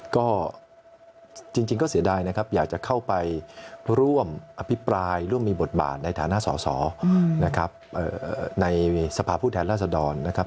ก็จริงก็เสียดายนะครับอยากจะเข้าไปร่วมอภิปรายร่วมมีบทบาทในฐานะสอสอนะครับในสภาพผู้แทนราษดรนะครับ